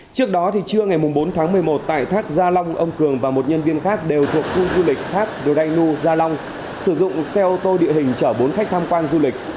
trước đó trưa ngày bốn tháng một mươi một tại thác gia long ông cường và một nhân viên khác đều thuộc khu du lịch thác gray nu gia long sử dụng xe ô tô địa hình chở bốn khách tham quan du lịch